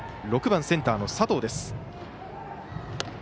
６番センターの佐藤です。